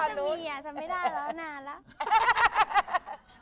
ก็มีอ่ะสำเร็จไม่ได้แล้วนานแล้ว